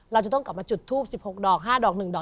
เราจะต้องกลับมาจุดทูป๑๖ดอก๕ดอก๑ดอก